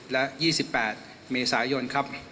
และ๒๘เมษายนครับ